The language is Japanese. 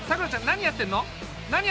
何やってんの？